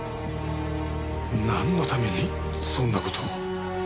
なんのためにそんな事を。